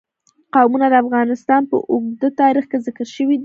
قومونه د افغانستان په اوږده تاریخ کې ذکر شوی دی.